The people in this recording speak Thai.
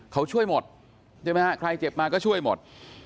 เขาช่วยหมดใช่ไหมฮะใครเจ็บมาก็ช่วยหมด